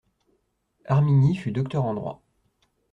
Harmignie fut docteur en droit.